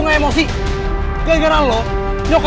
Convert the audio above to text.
papa dipercaya sama mama